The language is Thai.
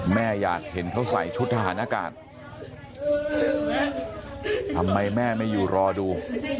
แม่อยากเห็นเขาใส่ชุดทหารอากาศทำไมแม่ไม่อยู่รอดู